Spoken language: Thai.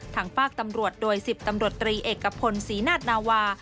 ทางฝากตำรวจโดย๑๐ตำรวจตรีเอกพลศรีนาธนาวา